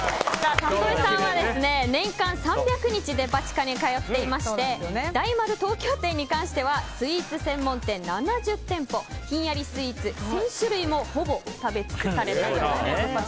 里井さんは年間３００日デパ地下に通っていまして大丸東京店に関してはスイーツ専門店７０店舗ひんやりスイーツ１０００種類もほぼ食べ尽くされたということです。